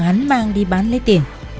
hắn mang đi bán lấy tiền